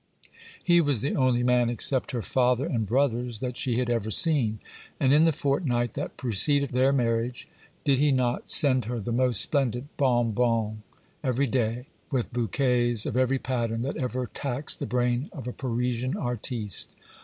he was the only man except her father and brothers that she had ever seen; and in the fortnight that preceded their marriage, did he not send her the most splendid bons bons every day, with bouquets of every pattern that ever taxed the brain of a Parisian artiste?